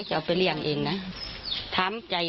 ตากับยายก็ตามใจ